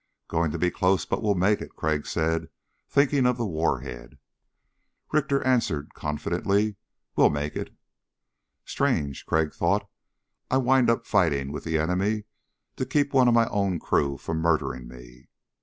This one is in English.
"Going to be close but we'll make it," Crag said, thinking of the warhead. Richter answered confidently: "We'll make it." Strange, Crag thought, I wind up fighting with the enemy to keep one of my own crew from murdering me.